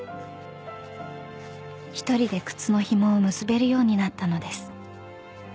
［一人で靴のひもを結べるようになったのです］